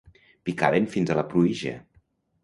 Picaven fins a la pruïja.